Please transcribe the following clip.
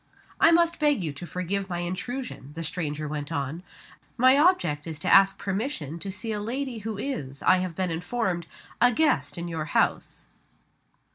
"I must beg you to forgive my intrusion," the stranger went on. "My object is to ask permission to see a lady who is, I have been informed, a guest in your house."